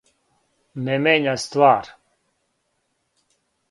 Не мења ствар.